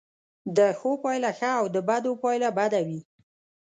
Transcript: د ښو پایله ښه او د بدو پایله بده وي.